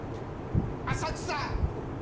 浅草。